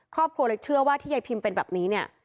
ครอบครัวเลยเชื่อว่าที่ยายพิมเป็นแบบนี้เนี่ย